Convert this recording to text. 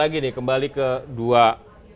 jadi kita harus mencari yang lebih kelebihan